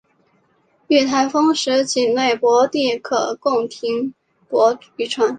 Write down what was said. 遇台风时仅内泊地可供停泊渔船。